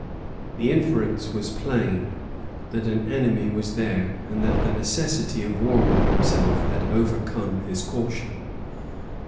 The inference was plain, that an enemy was there, and that the necessity of warming himself had overcome his caution.